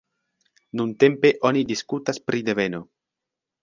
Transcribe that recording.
Nuntempe oni diskutas pri deveno.